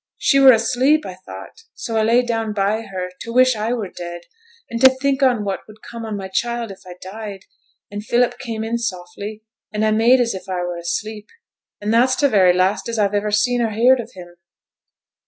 She were asleep, I thought, so I lay down by her, to wish I were dead, and to think on what would come on my child if I died; and Philip came in softly, and I made as if I were asleep; and that's t' very last as I've iver seen or heared of him.'